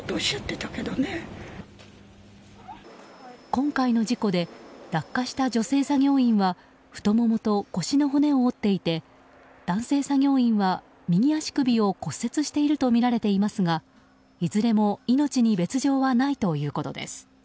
今回の事故で落下した女性作業員は太ももと腰の骨を折っていて男性作業員は右足首を骨折しているとみられていますがいずれも命に別条はないということです。